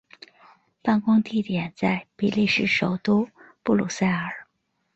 办公地点在比利时首都布鲁塞尔。